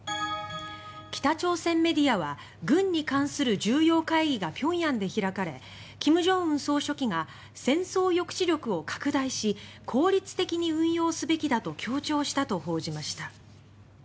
北朝鮮メディアは軍に関する重要会議が平壌で開かれ金正恩総書記が戦争抑止力を拡大し効率的に運用すべきだと強調したと報じました。